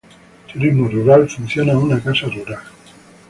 Turismo rural: funciona una casa rural.